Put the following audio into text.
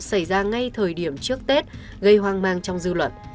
xảy ra ngay thời điểm trước tết gây hoang mang trong dư luận